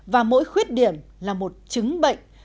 và mỗi khuyết điểm là một chứng bệnh